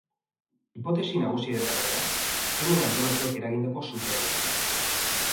Hipotesia nagusiaren arabera, krimen antolatuak eragindako sutea izan da.